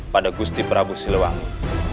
pada gusti prabu siliwangi